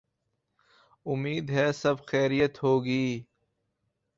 امید ہے سب خیریت ہو گی۔